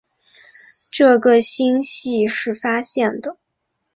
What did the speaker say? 这个星系是发现的。